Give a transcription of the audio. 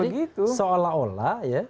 jadi seolah olah ya